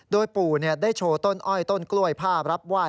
ด้วยปู่ได้โชว์ต้นอ้อยต้นกล้วยภาพรับว่าย